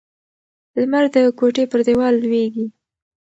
لمر د کوټې پر دیوال لوېږي.